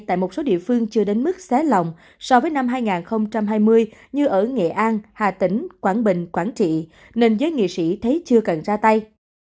tại một số địa phương chưa đến mức xé lòng so với năm hai nghìn hai mươi như ở nghệ an hà tĩnh quảng bình quảng trị nên giới nghệ sĩ thấy chưa cần ra tay